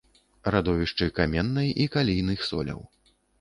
Радовішчы каменнай і калійных соляў.